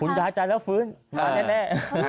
ย้ายใจแล้วฟื้นมาแน่